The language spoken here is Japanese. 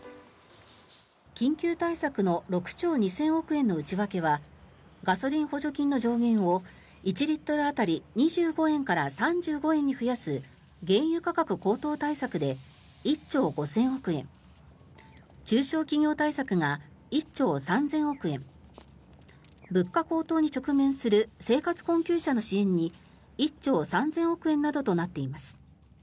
緊急対策の６兆２０００億円の内訳はガソリン補助金の上限を１リットル当たり２５円から３５円に増やす原油価格高騰対策で１兆５０００億円中小企業対策が１兆３０００億円物価高騰に直面する生活困窮者の支援に１兆３０００億円などとなっています。